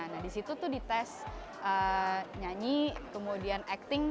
nah di situ tuh dites nyanyi kemudian acting